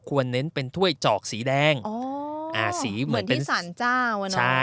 ควรเน้นเป็นถ้วยเจาะสีแดงอ๋อออออสีเหมือนเป็นพี่สาหรษาวร์เนอะใช่